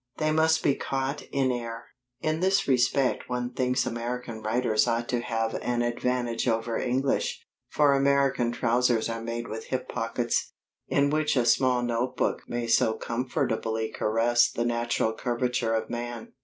They must be caught in air. In this respect one thinks American writers ought to have an advantage over English, for American trousers are made with hip pockets, in which a small note book may so comfortably caress the natural curvature of man.